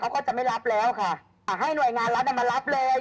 เขาก็จะไม่รับแล้วค่ะให้หน่วยงานรัฐมารับเลย